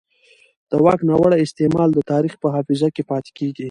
د واک ناوړه استعمال د تاریخ په حافظه کې پاتې کېږي